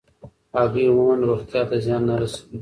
هګۍ عموماً روغتیا ته زیان نه رسوي.